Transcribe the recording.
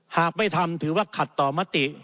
หากไม่ทำถือว่าขัดต่อมติ